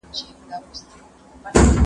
ښه ده ډول ډول خواړه وخورو.